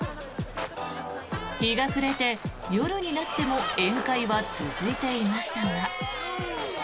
日が暮れて、夜になっても宴会は続いていましたが。